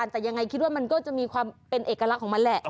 แต่ยังไงคิดว่ามันก็จะมีความเป็นเอกลักษณ์ของมันแหละ